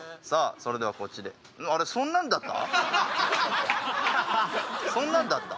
それではこっちでそんなんだった？